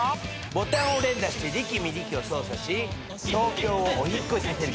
・ボタンを連打して力見力を操作し東京をお引っ越しさせるゲーム。